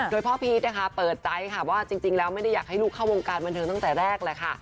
โดยพ่อพีชนะคะเปิดใจค่ะว่าจริงแล้วไม่ได้อยากให้ลูกเข้าวงการบันเทิงตั้งแต่แรกแหละค่ะ